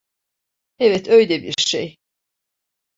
Evet, öyle bir şey.